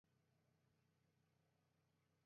インフィールドフライを落として油断しないで下さい。